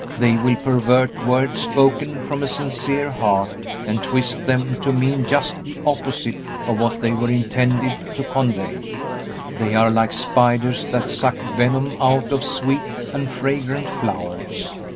They will pervert words spoken from a sincere heart and twist them to mean just the opposite of what they were intended to convey. They are like spiders that suck venom out of sweet and fragrant flowers.